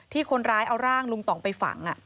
ที่คนร้ายเอาร่างลุงต่องไปฝัง